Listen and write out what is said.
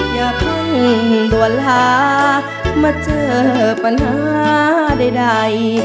อย่าเพิ่งด่วนลามาเจอปัญหาใด